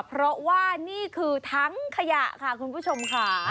เพราะว่านี่คือทั้งขยะค่ะคุณผู้ชมค่ะ